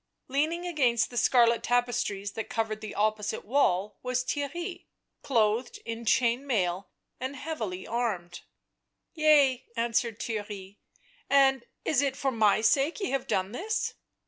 Leaning against the scarlet tapestries that covered the opposite wall was Theirry, clothed in chain mail and heavily armed. " Yea," answered Theirry. " And is it for my sake ye have done this